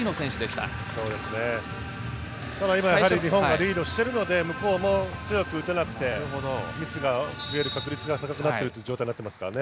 ただ、今やはり日本がリードしてるので、向こうも強く打てなくて、ミスが増える確率が高くなっている状態になってますね。